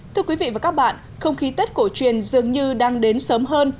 thưa quý vị và các bạn không khí tết cổ truyền dường như đang đến sớm hơn